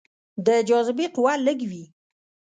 د جاذبې قوه لږه وي.